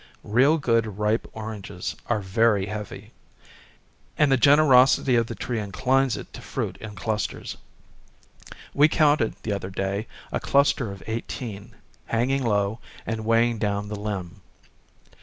Real good ripe oranges are very heavy ; and the generosity of the tree inclines it to fruit in clusters. We counted, the other day, a cluster of eighteen, hanging low, and weighing down the limb.